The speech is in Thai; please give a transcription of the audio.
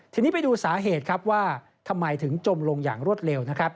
ทีนี้ไปดูสาเหตุว่าทำไมถึงจมลงอย่างรวดเร็ว